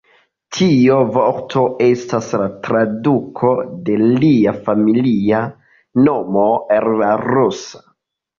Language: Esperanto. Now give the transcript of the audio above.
Tiu vorto estas la traduko de lia familia nomo el la rusa.